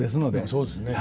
そうですね。